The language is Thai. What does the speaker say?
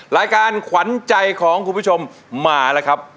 รายการขวัญใจของคุณผู้ชมมาแล้วครับ